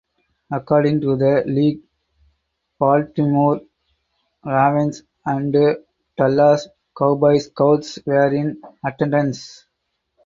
According to the league Baltimore Ravens and Dallas Cowboys scouts were in attendance.